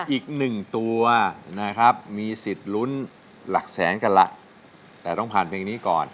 อีกหนึ่งตัวนะครับมีสิทธิ์ลุ้นหลักแสนกันล่ะแต่ต้องผ่านเพลงนี้ก่อน